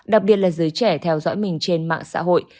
đặc biệt là giới trẻ theo dõi mình trên mạng xã hội